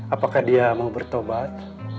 apakah dia mau bertobat